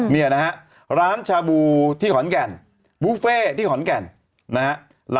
เนี่ยนะฮะร้านชาบูที่ขอนแก่นบุฟเฟ่ที่ขอนแก่นนะฮะ